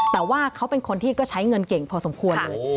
แต่ว่าเขาเป็นคนที่ก็ใช้เงินเก่งพอสมควรเลย